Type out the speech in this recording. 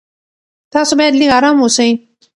تاسو باید لږ ارام اوسئ.